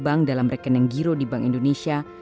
bank dalam rekening giro di bank indonesia